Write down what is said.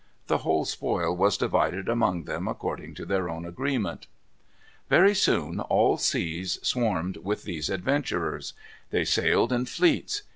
The whole spoil was divided among them according to their own agreement. Very soon all seas swarmed with these adventurers. They sailed in fleets.